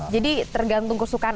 jadi tergantung kesukaan